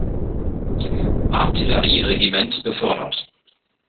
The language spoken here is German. Artillerie-Regiment befördert.